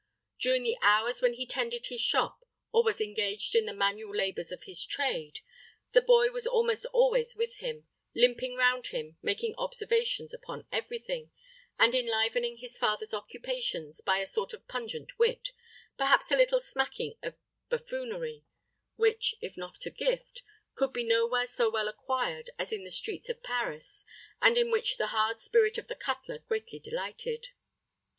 During the hours when he tended his shop, or was engaged in the manual labors of his trade, the boy was almost always with him, limping round him, making observations upon every thing, and enlivening his father's occupations by a sort of pungent wit, perhaps a little smacking of buffoonery, which, if not a gift, could be nowhere so well acquired as in the streets of Paris, and in which the hard spirit of the cutler greatly delighted.